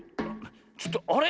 ちょっとあれ？